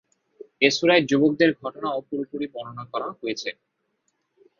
এ সূরায় যুবকদের ঘটনাও পুরোপুরি বর্ণনা করা হয়েছে।